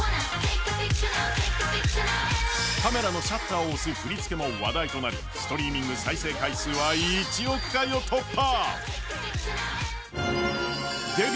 カメラのシャッターを押す振り付けも話題となり、ストリーミング再生回数は１億回を突破。